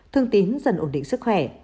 thương tín dần ổn định sức khỏe